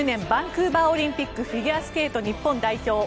バンクーバーオリンピックフィギュアスケート日本代表